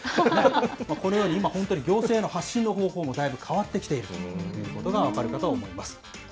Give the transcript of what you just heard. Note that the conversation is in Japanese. このように、今、本当に行政の発信の方法も、だいぶ変わってきているということが分かるかと思います。